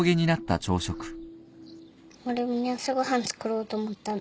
マルモに朝ご飯作ろうと思ったの。